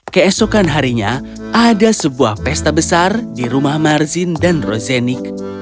keesokan harinya ada sebuah pesta besar di rumah marzin dan rosenik